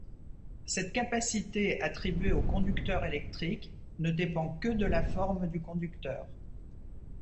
Cette capacité attribuée au conducteur électrique ne dépend que de la forme du conducteur.